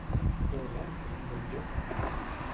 Toses es un bon lloc per anar-hi